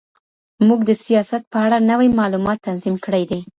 موږ د سياست په اړه نوي معلومات تنظيم کړي دي.